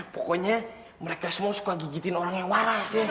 pokoknya mereka semua suka gigitin orang yang waras ya